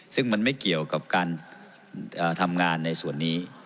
ซึ่งมันไม่เกี่ยวกับการทำงานในส่วนนี้